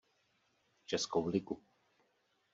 Českou ligu.